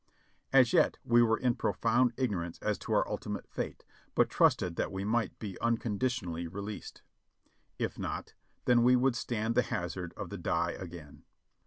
As yet we were in profound ignorance as to our ultimate fate, but trusted that we might be unconditionally released. If not. then we would stand the hazard of the die again.